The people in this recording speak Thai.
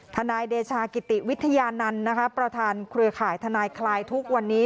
นายเดชากิติวิทยานันต์ประธานเครือข่ายทนายคลายทุกวันนี้